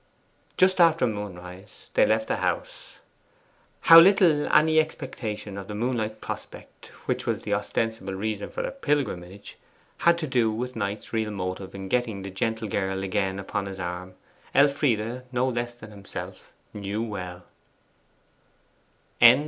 Just after moonrise they left the house. How little any expectation of the moonlight prospect which was the ostensible reason of their pilgrimage had to do with Knight's real motive in getting the gentle girl again upon his arm, Elfride no less than himself well knew.